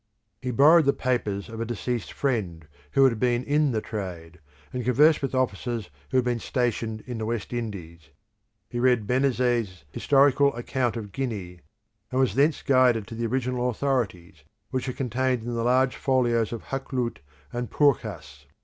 He borrowed the papers of a deceased friend who had been in the trade, and conversed with officers who had been stationed in the West Indies. He read Benezet's Historical Account of Guinea, and was thence guided to the original authorities, which are contained in the large folios of Hakluyt and Purchas.